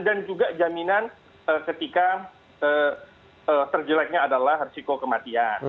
dan juga jaminan ketika terjeleknya adalah risiko kematian